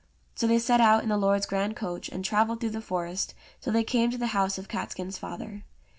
So they set out in the lord's grand coach, and travelled through the forest till they came to the house of Catskin's father.